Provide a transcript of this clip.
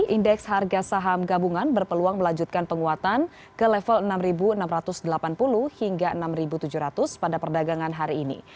indeks harga saham gabungan berpeluang melanjutkan penguatan ke level enam enam ratus delapan puluh hingga enam tujuh ratus pada perdagangan hari ini